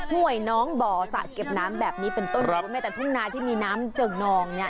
ห่วยน้องบ่อสระเก็บน้ำแบบนี้เป็นต้นรู้แม้แต่ทุ่งนาที่มีน้ำเจิ่งนองเนี่ย